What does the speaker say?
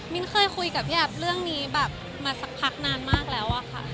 เคยคุยกับพี่แอฟเรื่องนี้แบบมาสักพักนานมากแล้วอะค่ะ